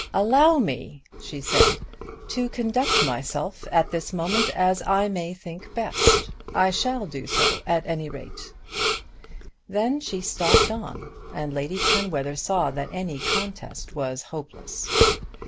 "Allow me," she said, "to conduct myself at this moment as I may think best. I shall do so at any rate." Then she stalked on and Lady Penwether saw that any contest was hopeless.